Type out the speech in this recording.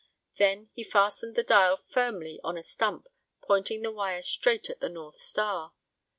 Then he fastened the dial firmly on a stump, pointing the wire straight at the North Star.